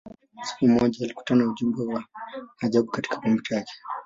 Usiku mmoja, alikutana ujumbe wa ajabu katika kompyuta yake.